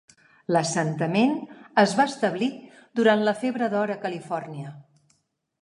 L'assentament es va establir durant la febre d'or a Califòrnia.